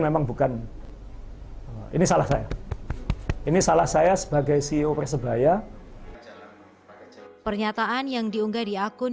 memang bukan ini salah saya ini salah saya sebagai ceo persebaya pernyataan yang diunggah di akun